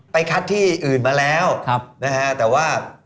คัดที่อื่นมาแล้วนะฮะแต่ว่า